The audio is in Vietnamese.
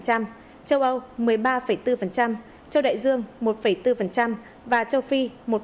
châu âu một mươi ba bốn châu đại dương một bốn và châu phi một